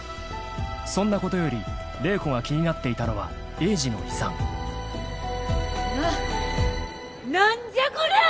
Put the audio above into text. ［そんなことより麗子が気になっていたのは栄治の遺産］な何じゃこりゃ！